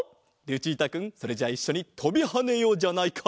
ルチータくんそれじゃあいっしょにとびはねようじゃないか。